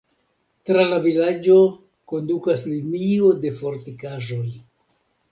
Tra la vilaĝo kondukas linio de fortikaĵoj.